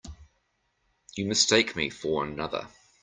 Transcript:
You mistake me for another.